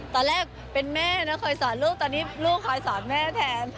ตอนแรกเป็นแม่นะเคยสอนลูกตอนนี้ลูกคอยสอนแม่แทน